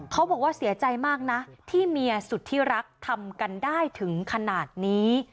เขาบอกว่าเสียใจมากนะที่เมียสุดที่รักทำกันได้ถึงขนาดนี้